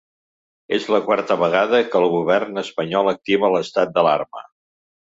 És la quarta vegada que el govern espanyol activa l’estat d’alarma.